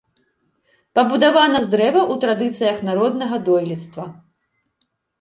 Пабудавана з дрэва ў традыцыях народнага дойлідства.